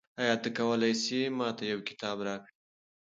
آیا ته کولای سې ما ته یو کتاب راکړې؟